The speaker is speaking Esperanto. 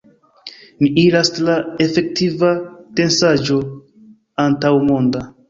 Ni iras tra efektiva densaĵo antaŭmonda!